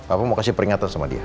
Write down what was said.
aku mau kasih peringatan sama dia